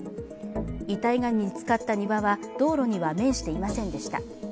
遺体が見つかった庭は道路には面していませんでした。